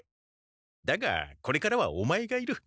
だがこれからはオマエがいる。